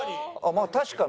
まあ確かに。